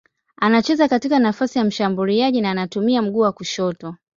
Anacheza katika nafasi ya mshambuliaji na anatumia mguu wa kushoto.